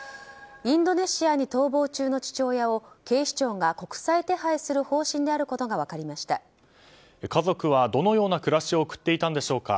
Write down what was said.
インドネシアに逃亡中の父親を警視庁が国際手配する方針で家族はどのような暮らしを送っていたのでしょうか。